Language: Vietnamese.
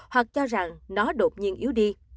hoặc cho rằng nó đột nhiên yếu đi